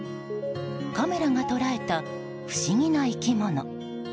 カメラが捉えた不思議な生き物。